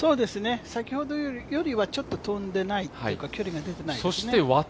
先ほどよりはちょっと飛んでないっていうか距離が出てないですね。